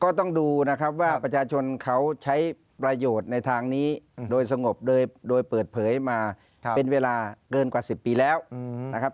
ต้องดูนะครับว่าประชาชนเขาใช้ประโยชน์ในทางนี้โดยสงบโดยเปิดเผยมาเป็นเวลาเกินกว่า๑๐ปีแล้วนะครับ